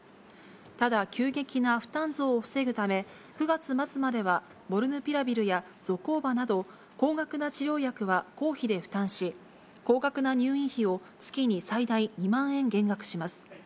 ただ、急激な負担増を防ぐため、９月末まではモルヌピラビルやゾコーバなど、高額な治療薬は公費で負担し、高額な入院費を月に最大２万円減額します。